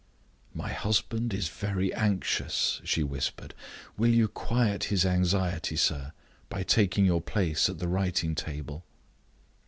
"My husband is very anxious," she whispered. "Will you quiet his anxiety, sir, by taking your place at the writing table?"